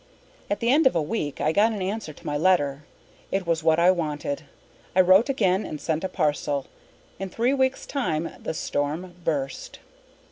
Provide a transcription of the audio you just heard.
At the end of a week I got an answer to my letter. It was what I wanted. I wrote again and sent a parcel. In three weeks' time the storm burst.